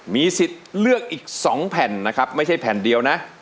มีสิทธิ์เลือกอีก๒แผ่นนะครับไม่ใช่แผ่นเดียวนะ